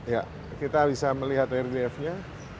ya kita bisa melihat reliefnya